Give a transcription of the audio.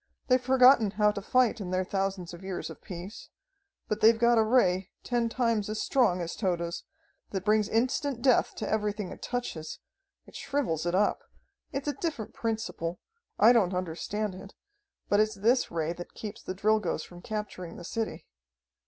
They've forgotten how to fight in their thousands of years of peace. But they've got a Ray ten times as strong as Tode's, that brings instant death to everything it touches. It shrivels it up. It's a different principle. I don't understand it, but it's this Ray that keeps the Drilgoes from capturing the city.